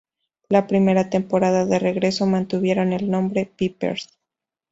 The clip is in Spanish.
La primera temporada de regreso mantuvieron el nombre "Pipers".